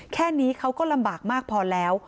แค่นี้เขาก็ลำบากมากพอแล้ว